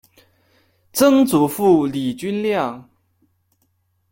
曾祖父李均亮。